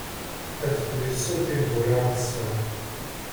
Adfel yessud tiwwura ass-a.